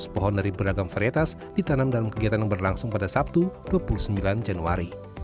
dua ratus pohon dari beragam varietas ditanam dalam kegiatan yang berlangsung pada sabtu dua puluh sembilan januari